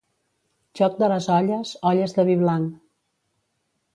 Joc de les olles, olles de vi blanc.